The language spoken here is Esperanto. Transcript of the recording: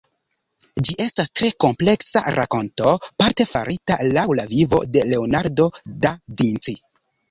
Ĝi estas tre kompleksa rakonto parte farita laŭ la vivo de Leonardo da Vinci.